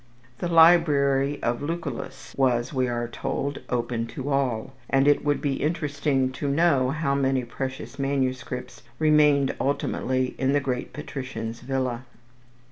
The library of Lucullus was, we are told, "open to all," and it would be interesting to know how many precious manuscripts remained ultimately in the great patrician's villa.